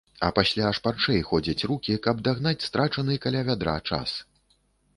А пасля шпарчэй ходзяць рукі, каб дагнаць страчаны каля вядра час.